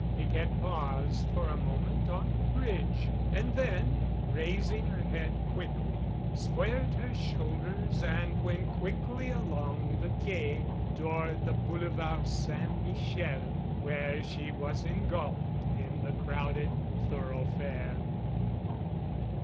Piquette paused for a moment on the bridge and then, raising her head quickly, squared her shoulders and went quickly along the Quai toward the Boulevard Saint Michel, where she was engulfed in the crowded thoroughfare.